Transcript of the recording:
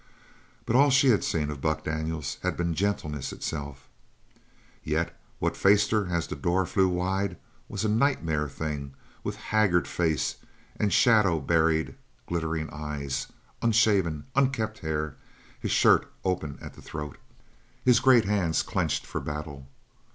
But all she had seen of Buck Daniels had been gentleness itself. Yet what faced her as the door flew wide was a nightmare thing with haggard face and shadow buried, glittering eyes unshaven, unkempt of hair, his shirt open at the throat, his great hands clenched for the battle.